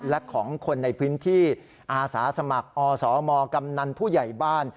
และของคนในพื้นที่อาสาสมัครอสมกำนันผู้ใหญ่บ้าน